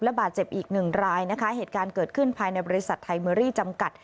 บาดเจ็บอีกหนึ่งรายนะคะเหตุการณ์เกิดขึ้นภายในบริษัทไทเมอรี่จำกัด